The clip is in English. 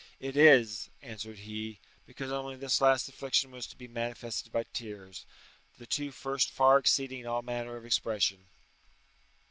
"It is," answered he, "because only this last affliction was to be manifested by tears, the two first far exceeding all manner of expression."